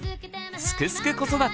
「すくすく子育て」